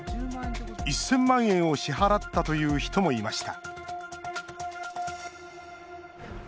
１０００万円を支払ったという人もいました